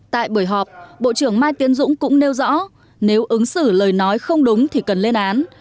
tại buổi họp bộ trưởng mai tiến dũng cũng nêu rõ nếu ứng xử lời nói không đúng thì cần lên án